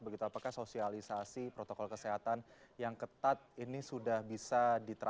begitu apakah sosialisasi protokol kesehatan yang ketat ini sudah bisa diterapkan